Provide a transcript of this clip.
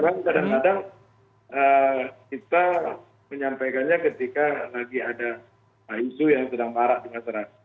kan kadang kadang kita menyampaikannya ketika lagi ada isu yang sedang marak di masyarakat